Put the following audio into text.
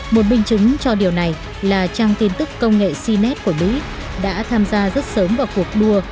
một minh chứng cho điều này là trang tin tức công nghệ cnnes của mỹ đã tham gia rất sớm vào cuộc đua